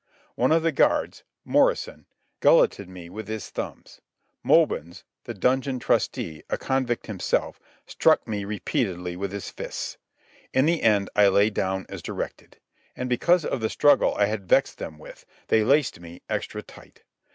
One of the guards, Morrison, gulletted me with his thumbs. Mobins, the dungeon trusty, a convict himself, struck me repeatedly with his fists. In the end I lay down as directed. And, because of the struggle I had vexed them with, they laced me extra tight.